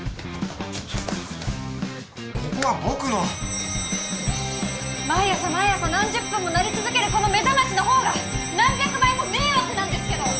ここは僕の毎朝毎朝何十分も鳴り続けるこの目覚ましの方が何百倍も迷惑なんですけど！